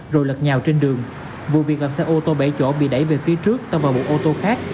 rồi lật nhào trên đường vụ việc gặp xe ô tô bảy chỗ bị đẩy về phía trước tông vào một ô tô khác